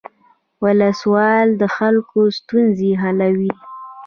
ولسوال د خلکو ستونزې حلوي